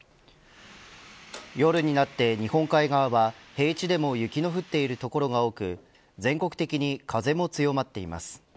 夜になって日本海側は平地でも雪の降っている所が多く全国的に風も強まっています。